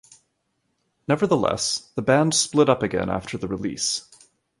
Nevertheless, the band split up again after the release.